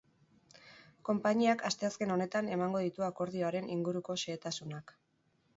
Konpainiak asteazken honetan emango ditu akordioaren inguruko xehetasunak.